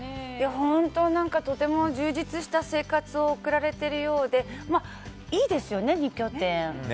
本当、とても充実した生活を送られているようでいいですよね、２拠点。